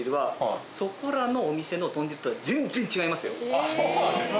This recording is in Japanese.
あそうなんですか？